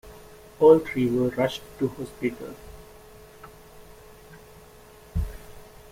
All three were rushed to hospital.